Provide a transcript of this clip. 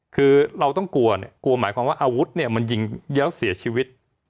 คือเราต้องกลัวเนี่ยกลัวหมายความว่าอาวุธเนี่ยมันยิงแล้วเสียชีวิต